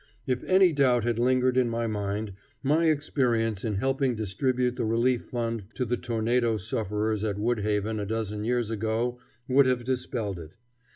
If any doubt had lingered in my mind, my experience in helping distribute the relief fund to the tornado sufferers at Woodhaven a dozen years ago would have dispelled it.